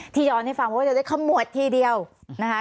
ที่ย้อนให้ฟังว่าจะได้เข้าหมวดทีเดียวนะคะ